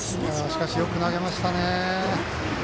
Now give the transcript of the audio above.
しかし、よく投げましたね。